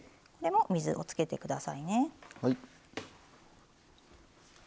これも水をつけてくださいね。